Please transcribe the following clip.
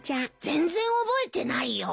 全然覚えてないよ。